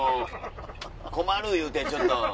「困る」いうてちょっと！